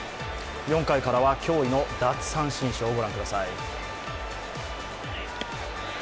４回からは驚異の奪三振ショーをご覧ください。